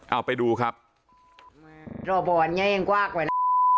เอาไปดูครับสภหาดใหญ่ยังกว้ากไว้นะ